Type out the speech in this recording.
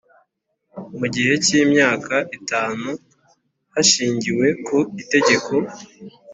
mu gihe cy imyaka itanu hashingiwe ku Itegeko